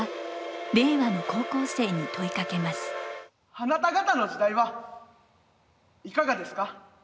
あなた方の時代はいかがですか。